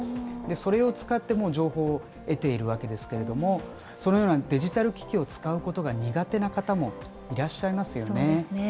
それを使って情報を得ているわけですけどもそのようなデジタル機器を使うことが苦手な方もいらっしゃいますよね。